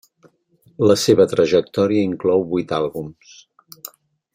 La seva trajectòria inclou vuit àlbums.